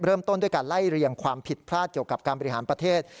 เริ่มต้นด้วยการไล่เรียงความผิดพลาดเกี่ยวกับการบริหารประเทศ